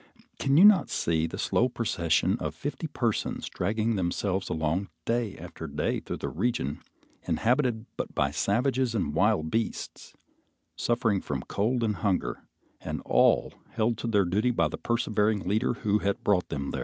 Can you not see the slow procession of fifty persons dragging themselves along day after day through the region inhabited but by savages and wild beasts, suffering from cold and hunger, and all held to their duty by the persevering leader who had brought them there?